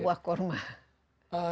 berapa buah kurma